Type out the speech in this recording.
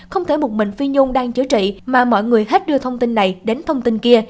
không thể một mình phi nhung đang chữa trị mà mọi người hết đưa thông tin này đến thông tin kia